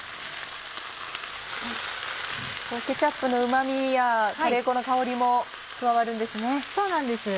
ケチャップのうま味やカレー粉の香りも加わるんですね。